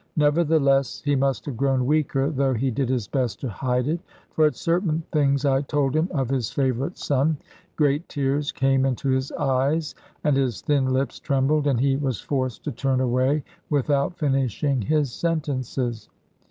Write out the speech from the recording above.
Nevertheless he must have grown weaker, though he did his best to hide it; for at certain things I told him of his favourite son, great tears came into his eyes, and his thin lips trembled, and he was forced to turn away without finishing his sentences.